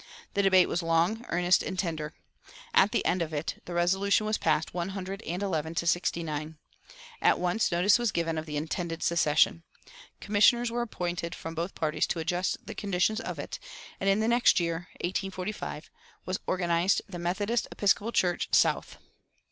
The debate was long, earnest, and tender. At the end of it the resolution was passed, one hundred and eleven to sixty nine. At once notice was given of the intended secession. Commissioners were appointed from both parties to adjust the conditions of it, and in the next year (1845) was organized the "Methodist Episcopal Church, South."